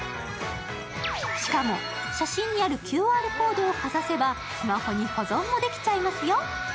しかも、写真にあるＱＲコードをかざせばスマホに保存もできちゃいますよ。